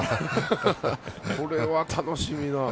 これは楽しみな。